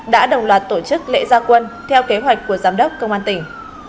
đã đồng loạt tổ chức lễ gia quân theo kế hoạch của giám đốc công an tỉnh